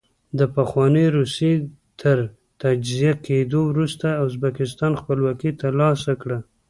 د پخوانۍ روسیې تر تجزیه کېدو وروسته ازبکستان خپلواکي ترلاسه کړه.